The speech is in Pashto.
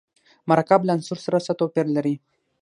مرکب له عنصر سره څه توپیر لري.